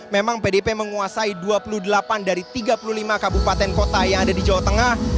memang pdp menguasai dua puluh delapan dari tiga puluh lima kabupaten kota yang ada di jawa tengah